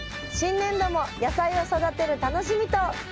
新年度も野菜を育てる楽しみと。